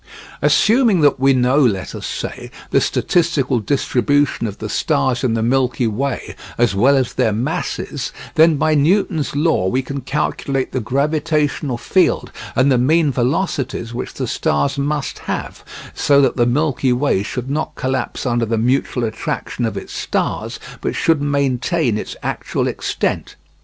Assuming that we know, let us say, the statistical distribution of the stars in the Milky Way, as well as their masses, then by Newton's law we can calculate the gravitational field and the mean velocities which the stars must have, so that the Milky Way should not collapse under the mutual attraction of its stars, but should maintain its actual extent.